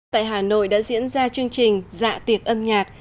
tại hà nội đã diễn ra chương trình dạ tiệc âm nhạc